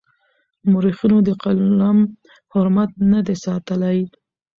مورخينو د قلم حرمت نه دی ساتلی.